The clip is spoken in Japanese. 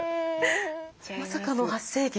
まさかの発生源。